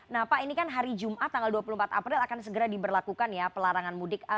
nah pak ini kan hari jumat tanggal dua puluh empat april akan segera diberlakukan ya pelarangan mudik